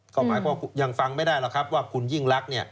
ก็หมายความยังฟังไม่ได้หรอกครับว่าคุณยิ่งรัก